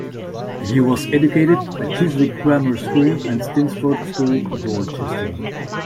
He was educated at Chiswick Grammar School and Stinsford School, Dorchester.